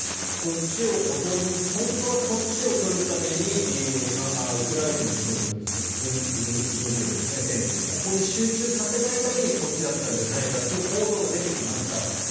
こっちをおとりにして本当はこっちを取るためにウクライナの軍事力、戦力ここに集中させないためにこっちだったんじゃないかという報道が出てきました。